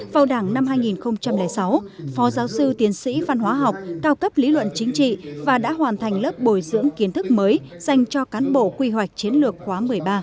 vào đảng năm hai nghìn sáu phó giáo sư tiến sĩ văn hóa học cao cấp lý luận chính trị và đã hoàn thành lớp bồi dưỡng kiến thức mới dành cho cán bộ quy hoạch chiến lược khóa một mươi ba